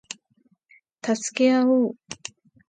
助け合おう